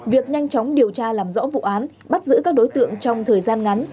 việc nhanh chóng điều tra làm rõ vụ án bắt giữ các đối tượng trong thời gian ngắn